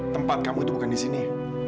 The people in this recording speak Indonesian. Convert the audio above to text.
tempat kamu itu bukan di sini